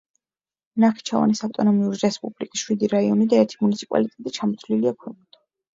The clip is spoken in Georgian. ნახიჩევანის ავტონომიური რესპუბლიკის შვიდი რაიონი და ერთი მუნიციპალიტეტი ჩამოთვლილია ქვემოთ.